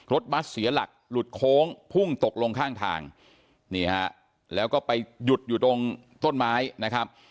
รถบัสเสียหลักหลุดโค้งพุ่งตกลงข้างทางนี่ฮะแล้วก็ไปหยุดอยู่ตรงต้นไม้นะครับ